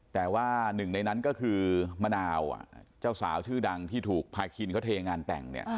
แต่ว่าหนึ่งในนั้นก็คือมะนาวเจ้าสาวชื่อดังที่ถูกพาคินเขาเทงานแต่งเนี่ย